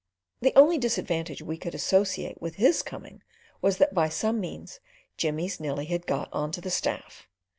The only disadvantage we could associate with his coming was that by some means Jimmy's Nellie had got on to the staff.